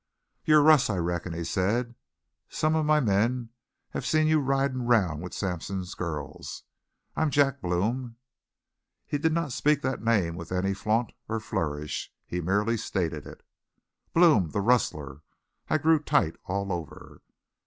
"You're Russ, I reckon," he said. "Some of my men have seen you ridin' round with Sampson's girls. I'm Jack Blome." He did not speak that name with any flaunt or flourish. He merely stated it. Blome, the rustler! I grew tight all over.